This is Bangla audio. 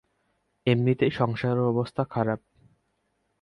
এমনিতেই সংসারের অবস্থা খারাপ।